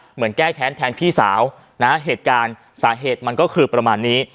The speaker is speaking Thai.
เหมือนแก้แค้นแทนพี่สาวนะเหตุการณ์สาเหตุมันก็คือประมาณนี้